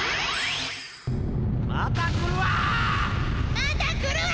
・また来るわ！